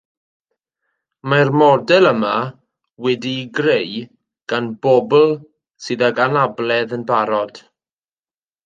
Mae'r model yma wedi'i greu gan bobl sydd ag anabledd yn barod